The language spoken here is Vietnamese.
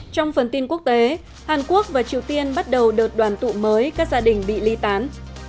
trong phần tin quốc tế hàn quốc và triều tiên bắt đầu đợt đoàn tụ mới các gia đình bị ly tán